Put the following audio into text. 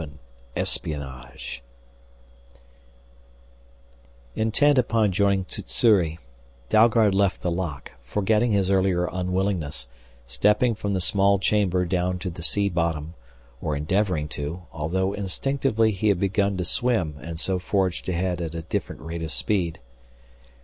11 ESPIONAGE Intent upon joining Sssuri, Dalgard left the lock, forgetting his earlier unwillingness, stepping from the small chamber down to the sea bottom, or endeavoring to, although instinctively he had begun to swim and so forged ahead at a different rate of speed.